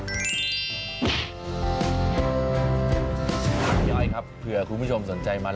พี่อ้อยครับเผื่อคุณผู้ชมสนใจมัน